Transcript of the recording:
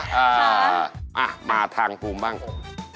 ไปครับมาทางปรุงบ้างคุณ